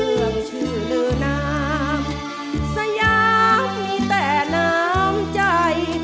เรื่องชื่อลือน้ำสยามมีแต่น้ำใจ